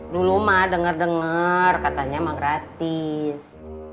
dulu mah denger denger katanya mah gratis